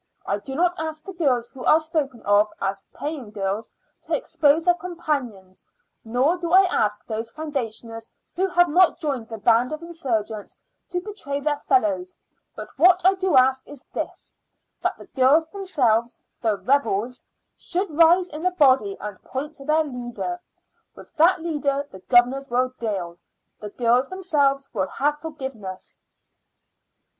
I do not ask the girls who are spoken of as the paying girls to expose their companions, nor do I ask those foundationers who have not joined the band of insurgents to betray their fellows; but what I do ask is this: that the girls themselves the rebels should rise in a body and point to their leader. With that leader the governors will deal. The girls themselves will have forgiveness."